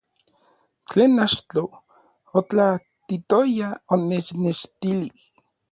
Tlen achtoj otlaatitoya onechnextilij.